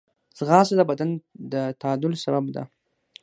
ځغاسته د بدن د تعادل سبب ده